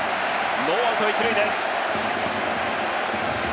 ノーアウト１塁です。